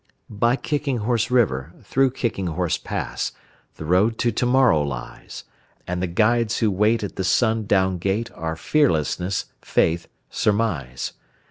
By Kicking Horse River, through Kicking Horse Pass, The Road to Tomorrow lies; And the guides who wait at the sundown gate Are Fearlessness, Faith, Surmise.